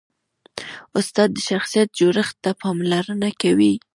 استاد د شخصیت جوړښت ته پاملرنه کوي.